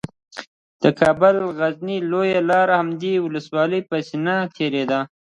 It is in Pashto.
د کابل غزني لویه لاره د همدې ولسوالۍ په سینه تیره ده